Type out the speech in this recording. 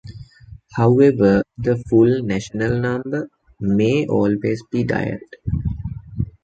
However, the "Full National Number" "may" always be dialled.